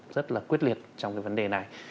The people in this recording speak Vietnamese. rất là quyết liệt trong cái vấn đề này